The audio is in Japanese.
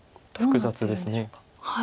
複雑です。